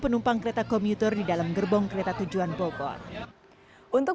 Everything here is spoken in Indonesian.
penumpang kereta komuter di dalam gerbong kereta tujuan bogor untuk